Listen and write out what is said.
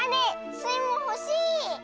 スイもほしい！